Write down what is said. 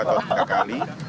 atau tiga kali